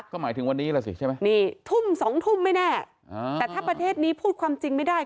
ก็หมายถึงวันนี้ล่ะสิใช่ไหมนี่ทุ่มสองทุ่มไม่แน่แต่ถ้าประเทศนี้พูดความจริงไม่ได้